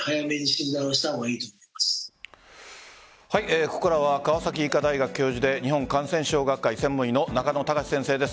ここからは川崎医科大学教授で日本感染症学会専門医の中野貴司先生です。